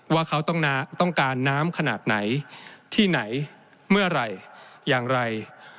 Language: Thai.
ว่าเขาต้องการน้ำขนาดไหนที่ไหนเมื่อไหร่อย่างไร